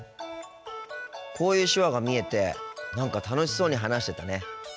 こういう手話が見えて何か楽しそうに話してたね。